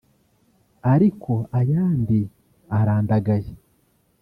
ariko ayandi arandagaye